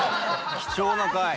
貴重な回。